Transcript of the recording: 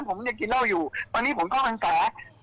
ผมกินเหล้าอยู่ตอนนี้ผมก็กางสา